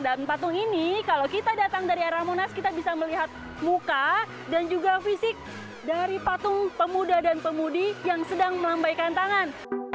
dan patung ini kalau kita datang dari arah munas kita bisa melihat muka dan juga fisik dari patung pemuda dan pemudi yang sedang melambaikan tangan